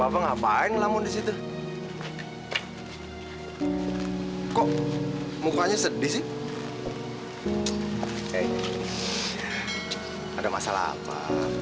ibu gak mau sampai terjadi apa apa